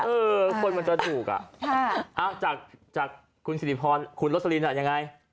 เออคนมันจะดุอ่ะจากคุณสิริพรคุณโรสลินยังไง